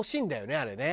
あれね。